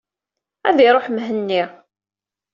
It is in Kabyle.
Ad iruḥ Mhenni.